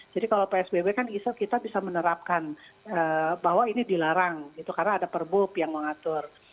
jadi kalau psbb kan bisa kita bisa menerapkan bahwa ini dilarang gitu karena ada perbup yang mengatur